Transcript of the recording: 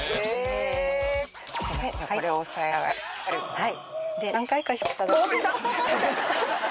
はい。